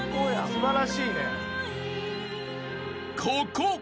素晴らしいね。